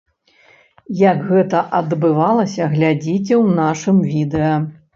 Як гэта адбывалася, глядзіце ў нашым відэа.